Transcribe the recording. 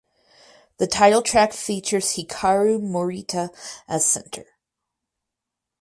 The title track features Hikaru Morita as center.